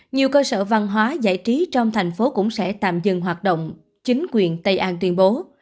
nhiều cơ sở văn hóa giải trí trong thành phố cũng sẽ tạm dừng hoạt động chính quyền tây an tuyên bố